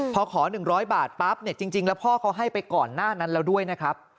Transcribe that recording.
พอขอ๑๐๐บาทปั๊บเนี่ยจริงแล้วพ่อเขาให้ไปก่อนหน้านั้นแล้วด้วยนะครับ